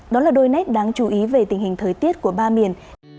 đó là đôi nét đáng chú ý về tình hình thời tiết của ba miền